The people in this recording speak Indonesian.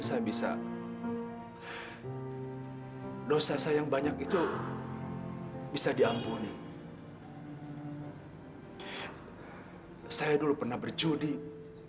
saya bisa dosa sayang banyak itu bisa dampun di di hai saya dulu pernah berjudi pernah meminum minuman